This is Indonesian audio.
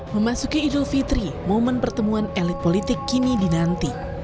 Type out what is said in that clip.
memasuki idul fitri momen pertemuan elit politik kini dinanti